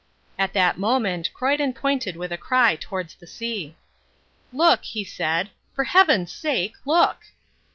At that moment Croyden pointed with a cry towards the sea. "Look," he said, "for Heaven's sake, look!"